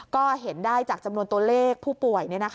ก็เห็นได้จากจำนวนตัวเลขผู้ป่วย